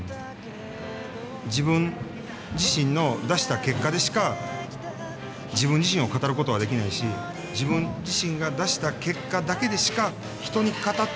自分自身の出した結果でしか自分自身を語る事はできないし自分自身が出した結果だけでしか人に語ってもらう事ができない。